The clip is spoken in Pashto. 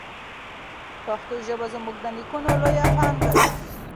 پښتو ژبه زموږ د نیکونو لویه پانګه ده.